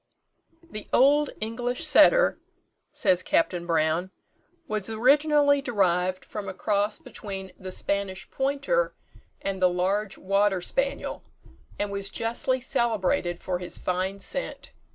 The old English setter (says Capt. Brown), was originally derived from a cross between the Spanish pointer and the large water spaniel, and was justly celebrated for his fine scent.